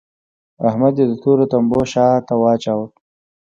احمد يې د تورو تمبو شا ته واچاوو.